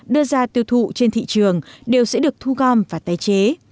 đưa ra tiêu thụ trên thị trường đều sẽ được thu gom và tái chế